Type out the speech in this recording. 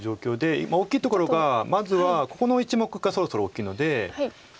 大きいところがまずはここの１目がそろそろ大きいので。